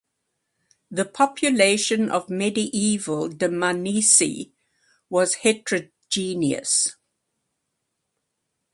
The population of medieval Dmanisi was heterogeneous.